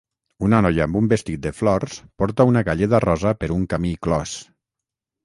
Una noia amb un vestit de flors porta una galleda rosa per un camí clos.